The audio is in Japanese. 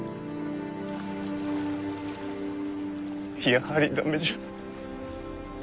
やはり駄目じゃ。